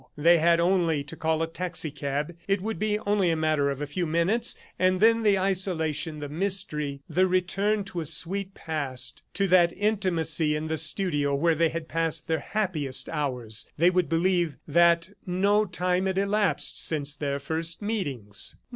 They had only to call a taxicab. It would be only a matter of a few minutes, and then the isolation, the mystery, the return to a sweet past to that intimacy in the studio where they had passed their happiest hours. They would believe that no time had elapsed since their first meetings.